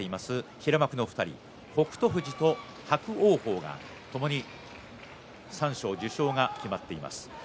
平幕の２人北勝富士と伯桜鵬ともに三賞受賞が決まっています。